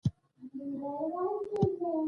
که د ګل سره مینه لرئ اوبه ورکوئ تر څو تازه واوسي.